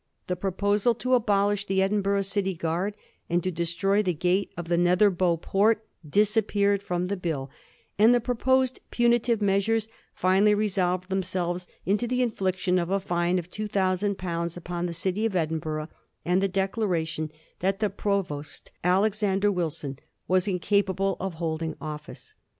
The propo sal to abolish the Edinburgh city guard and to destroy the gate of the Netherbow port disappeared from the Bill, and the proposed punitive measures finally resolved themselves into the infliction of a fine of two thousand pounds upon the city of Edinburgh, and the declaration that the prov ost, Alexander Wilson, was incapable of holding office.